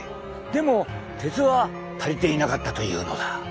でも鉄は足りていなかったというのだ！